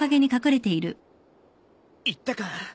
行ったか。